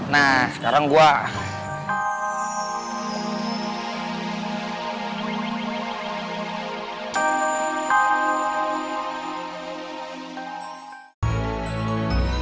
nah sekarang gue